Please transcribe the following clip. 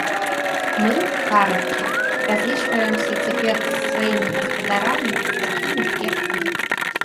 Мы, парабкі, разлічваемся цяпер з сваімі гаспадарамі, з такімі, як ты.